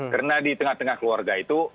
karena di tengah tengah keluarga itu